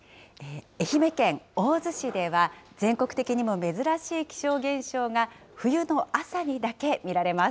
愛媛県大洲市では、全国的にも珍しい気象現象が冬の朝にだけ見られます。